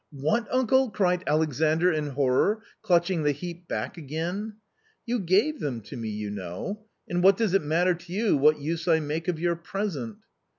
,, "What, uncle?" cried Alexandr in horror, clutching the heap back again. 44 You gave them to me you know, and what does it matter to you what use I make of your present